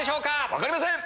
分かりません！